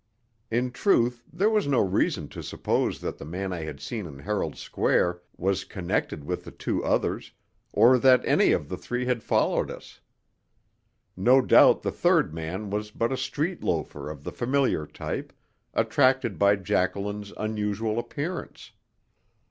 In truth, there was no reason to suppose that the man I had seen in Herald Square was connected with the two others, or that any of the three had followed us. No doubt the third man was but a street loafer of the familiar type, attracted by Jacqueline's unusual appearance.